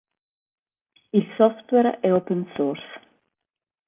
Il software è Open Source.